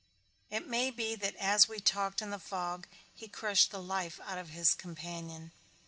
It may be that as we talked in the fog he crushed the life out of his companion.